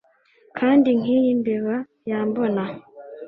Kandi nkiyi mbeba yambona